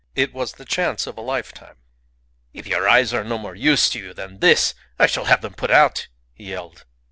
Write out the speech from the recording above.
It was the chance of a lifetime. "If your eyes are of no more use to you than this, I shall have them put out," he yelled.